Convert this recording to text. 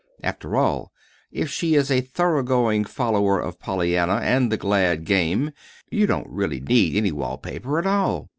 After all, if she is a thoroughgoing follower of Pollyanna and the glad game, you don't really need any wall paper at all.